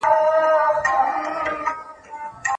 د شکر اندازه پکې لوړه وي.